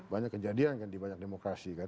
banyak kejadian kan di banyak demokrasi kan